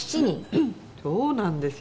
「そうなんですよ。